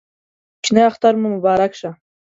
کوچینۍ اختر مو مبارک شه